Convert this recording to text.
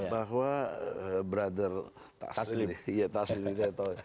bahwa brother taslim iya taslim ini saya tahu